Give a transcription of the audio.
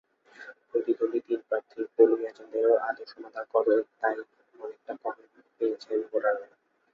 প্রতিদ্বন্দ্বী তিন প্রার্থীর পোলিং এজেন্টদেরও আদর-সমাদর-কদর তাই অনেকটা কমই পেয়েছেন ভোটাররা।